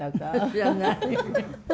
知らない。